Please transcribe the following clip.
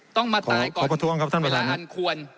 ต้องมาตายก่อนเวลาอันควร